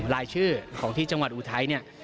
รายชื่อของที่จังหวัดอุทไทย